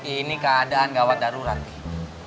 ini keadaan gawat darurat nih